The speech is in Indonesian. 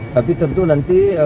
tapi tentu nanti